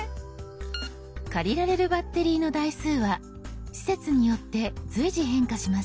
借りられるバッテリーの台数は施設によって随時変化します。